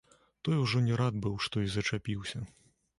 Той ужо не рад быў, што і зачапіўся.